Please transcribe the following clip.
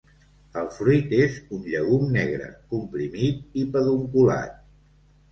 El fruit és un llegum negre, comprimit i pedunculat.